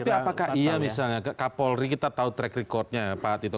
tapi apakah iya misalnya kak paul ri kita tahu track record nya ya pak tito